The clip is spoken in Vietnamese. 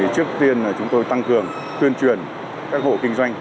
trước tiên là chúng tôi tăng cường tuyên truyền các hộ kinh doanh